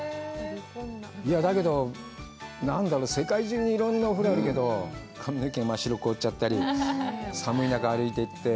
だけど、何だろう、世界中にいろんなお風呂があるけど、髪の毛、真っ白に凍っちゃったり、寒い中、歩いていって。